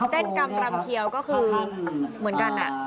เต้นกำรำเขียวก็คือเหมือนกันน่ะ